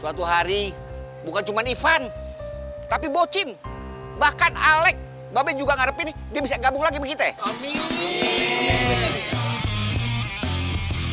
suatu hari bukan cuma ivan tapi bocin bahkan alec babe juga ngarepin dia bisa gabung lagi sama kita